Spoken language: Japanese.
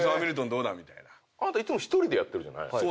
いつも１人でやってるじゃない。